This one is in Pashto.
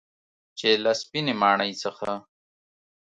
چې له سپینې ماڼۍ څخه